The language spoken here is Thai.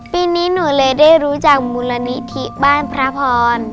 ปีนี้หนูเลยได้รู้จักมูลนิธิบ้านพระพร